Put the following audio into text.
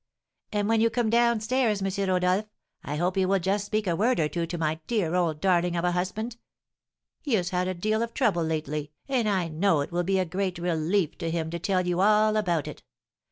"And when you come down stairs, M. Rodolph, I hope you will just speak a word or two to my dear old darling of a husband. He has had a deal of trouble lately, and I know it will be a great relief to him to tell you all about it.